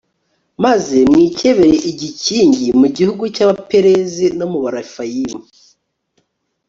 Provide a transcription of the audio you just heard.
maze mwikebere igikingi mu gihugu cy'abaperizi no mu barefayimu